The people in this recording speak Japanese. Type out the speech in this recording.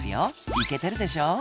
「イケてるでしょ？